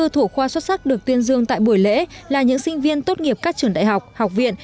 hai mươi thủ khoa xuất sắc được tuyên dương tại buổi lễ là những sinh viên tốt nghiệp các trường đại học học viện